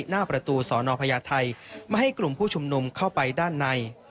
หน้าประตูสอนอพญาไทยไม่ให้กลุ่มผู้ชุมนุมเข้าไปด้านใน